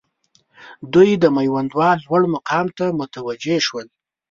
دوی د میوندوال لوړ مقام ته متوجه شول.